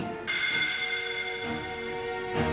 mental andi yang kena